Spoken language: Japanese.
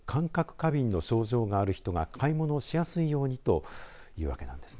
過敏の症状がある人が買い物しやすいようにというわけなんです。